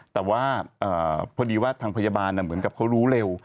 แต่ว่าพอดีว่าทางพยาบาลเหมือนกับเขารู้เร็ว